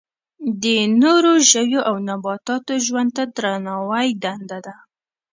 د نورو ژویو او نباتاتو ژوند ته درناوی دنده ده.